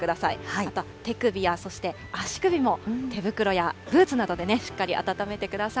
あと手首や、そして足首も、手袋やブーツなどでね、しっかりあたためてください。